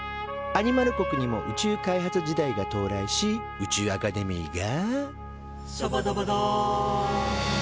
アニマル国にも宇宙開発時代が到来し宇宙アカデミーが「しゃばだばだ」と誕生。